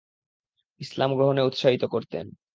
ইসলাম গ্রহণে উৎসাহিত করতেন।